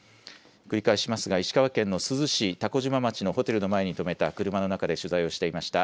繰り返しますが石川県の珠洲市蛸島町のホテルの前に止めた車の中で取材をしていました